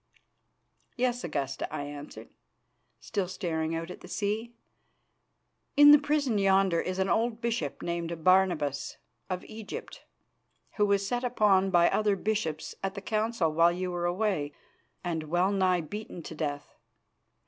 "Yes, Augusta," I answered, still staring out at the sea. "In the prison yonder is an old bishop named Barnabas of Egypt, who was set upon by other bishops at the Council while you were away and wellnigh beaten to death.